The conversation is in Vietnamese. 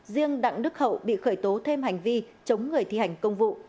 riêng đặng đức hậu bị khởi tố thêm hành vi chống người thi hành công vụ